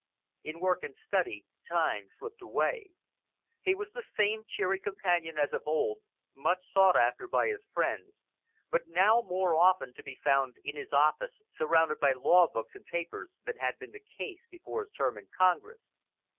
In work and study time slipped away. He was the same cheery companion as of old, much sought after by his friends, but now more often to be found in his office surrounded by law books and papers than had been the case before his term in Congress.